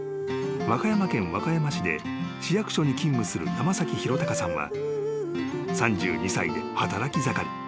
［和歌山県和歌山市で市役所に勤務する山崎浩敬さんは３２歳で働き盛り］